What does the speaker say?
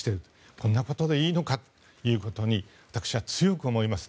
こんなことでいいのかということを私は強く思います。